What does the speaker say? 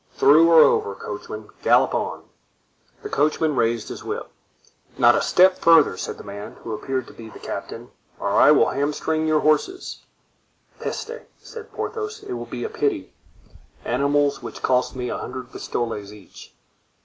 "Through or over; coachman, gallop on." The coachman raised his whip. "Not a step further," said the man, who appeared to be the captain, "or I will hamstring your horses." "Peste!" said Porthos, "it would be a pity; animals which cost me a hundred pistoles each."